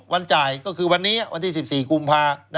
จ่ายก็คือวันนี้วันที่๑๔กุมภา